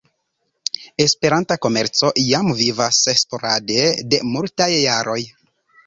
Esperanta komerco jam vivas sporade de multaj jaroj.